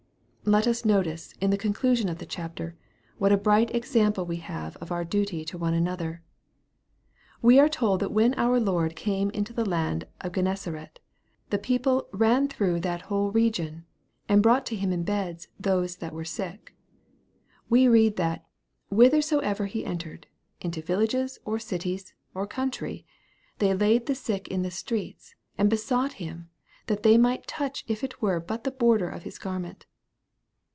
Let us notice, in the conclusion of the chapter, what a bright example we have of our duty to one another. We are told that when our Lord came into the land of Gen nesaret, the people "ran through that whole region," and brought to Him in beds " those that were sick." We read that " whithersoever he entered, into villages, or cities, or country, they laid the sick in the streets, and besought Him, that they might touch if it were but the border of His garment."